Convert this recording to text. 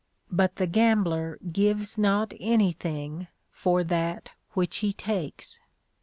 But the gambler gives not anything for that which he takes.